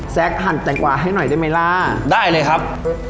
หั่นแตงกวาให้หน่อยได้ไหมล่ะได้เลยครับ